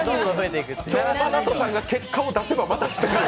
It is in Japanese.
今日ＭＡＮＡＴＯさんが結果を出せばまた来てくれる。